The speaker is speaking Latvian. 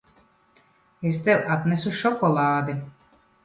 Es tev atnesu šokolādi.